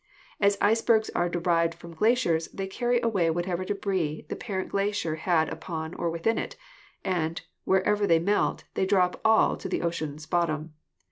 As icebergs are derived from glaciers, they carry away whatever debris the parent glacier had upon or within it, and, wherever they melt, they drop all to the ocean's bottom.